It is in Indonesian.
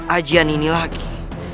ajar ini lagi